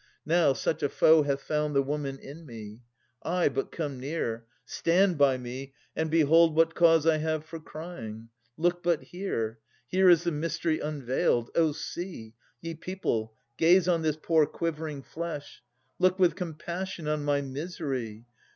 Now, such a foe hath found the woman in me! Ay, but come near; stand by me, and behold What cause I have for crying. Look but here! Here is the mystery unveiled. O see! Ye people, gaze on this poor quivering flesh, Look with compassion on my misery!